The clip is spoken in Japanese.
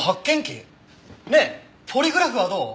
ねえポリグラフはどう？